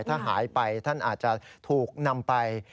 ถ้าหายไปท่านอาจจะถูกนำไป